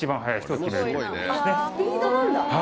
はい。